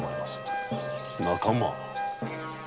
仲間？